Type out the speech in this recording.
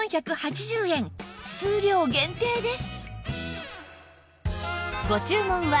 数量限定です